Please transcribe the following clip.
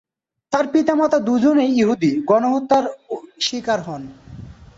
তার পিতামাতা দুজনেই ইহুদি গণহত্যার স্বীকার হন।